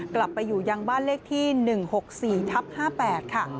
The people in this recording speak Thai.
กลับไปอยู่ยังบ้านเลขที่๑๖๔ทับ๕๘ค่ะ